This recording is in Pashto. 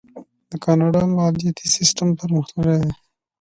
د کاناډا مالیاتي سیستم پرمختللی دی.